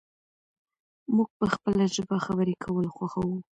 موږ په خپله ژبه خبرې کول خوښوو.